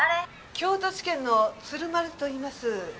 京都地検の鶴丸と言います。